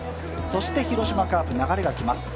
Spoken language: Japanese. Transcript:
そして広島カープ、流れが来ます